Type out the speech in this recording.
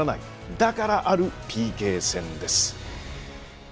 だからあるＰＫ戦です。